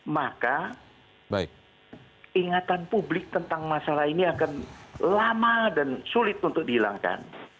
maka ingatan publik tentang masalah ini akan lama dan sulit untuk dihilangkan